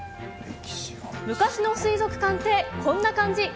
昔の水族館って、こんな感じ。